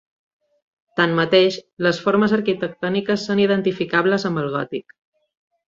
Tanmateix, les formes arquitectòniques són identificables amb el gòtic.